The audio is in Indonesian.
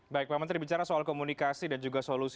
baik pak menteri bicara soal komunikasi dan juga solusi